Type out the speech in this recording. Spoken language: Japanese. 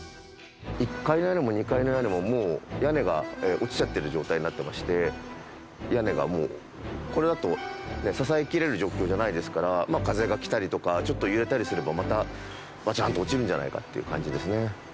１階の屋根も２階の屋根ももう屋根が落ちちゃってる状態になってまして屋根がもうこれだと支えきれる状況じゃないですから風がきたりとかちょっと揺れたりすればまたバチャン！って落ちるんじゃないかっていう感じですね。